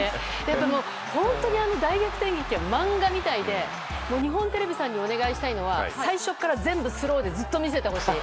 本当に大逆転劇は漫画みたいで日本テレビさんにお願いしたいのは最初から全部スローでずっと見せてほしい。